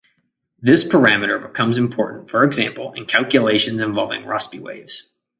This parameter becomes important, for example, in calculations involving Rossby waves.